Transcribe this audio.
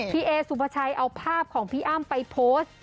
พี่เอสุภาชัยเอาภาพของพี่อ้ำไปโพสต์